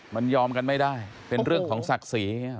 มันยอมกันไม่ได้เป็นเรื่องของศักดิ์ศรี